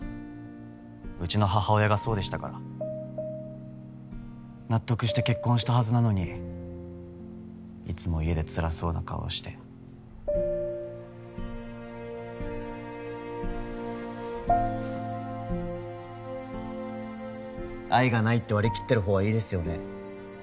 ウチの母親がそうでしたから納得して結婚したはずなのにいつも家でつらそうな顔をして愛がないって割り切ってる方はいいですよね